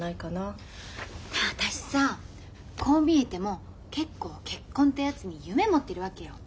私さこう見えても結構結婚ってやつに夢持ってるわけよ。